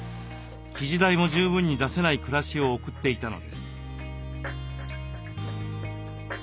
生地代も十分に出せない暮らしを送っていたのです。